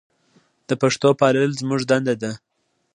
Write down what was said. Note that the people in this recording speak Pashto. د پښتو پالل زموږ دنده ده.